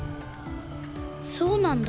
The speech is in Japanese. そうなんだ。